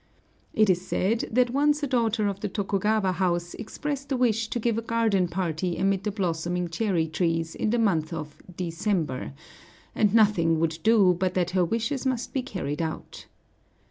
It is said that once a daughter of the Tokugawa house expressed a wish to give a garden party amid the blossoming cherry trees in the month of December, and nothing would do but that her wishes must be carried out.